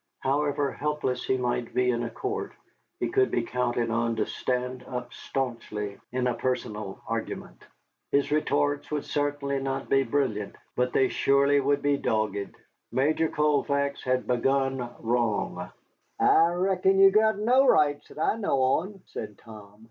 However helpless he might be in a court, he could be counted on to stand up stanchly in a personal argument. His retorts would certainly not be brilliant, but they surely would be dogged. Major Colfax had begun wrong. "I reckon ye've got no rights that I know on," said Tom.